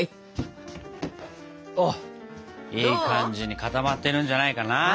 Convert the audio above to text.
いい感じに固まってるんじゃないかな。